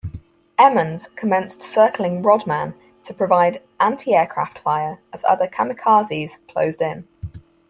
"Emmons" commenced circling "Rodman" to provide antiaircraft fire as other "kamikaze"s closed in.